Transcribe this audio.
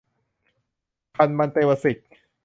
ธรรมันเตวาสิก